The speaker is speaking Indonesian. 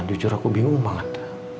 jujur aku bingung banget